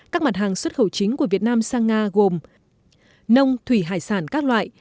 các mặt hàng xuất khẩu chính của việt nam sang nga gồm nông thủy hải sản các loại